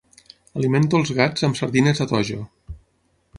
Alimento els gats amb sardines a dojo.